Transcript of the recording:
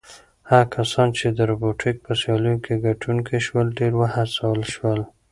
هغه کسان چې د روبوټیک په سیالیو کې ګټونکي شول ډېر وهڅول شول.